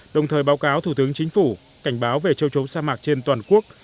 đồng thời báo cáo thủ tướng chính phủ cảnh báo về châu chấu sa mạc trên toàn quốc